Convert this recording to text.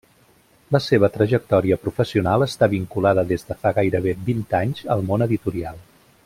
La seva trajectòria professional està vinculada des de fa gairebé vint anys al món editorial.